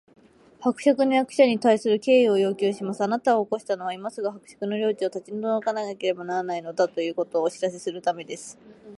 「伯爵の役所に対する敬意を要求します！あなたを起こしたのは、今すぐ伯爵の領地を立ち退かなければならないのだ、ということをお知らせするためです」